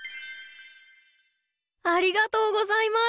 ありがとうございます。